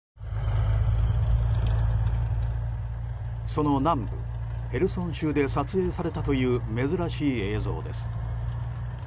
その南部ヘルソン州で撮影されたという珍しい映像です。